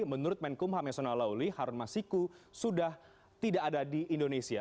menurut menkumham yasona lawli harun masiku sudah tidak ada di indonesia